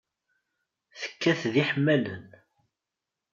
Tekkat d iḥemmalen.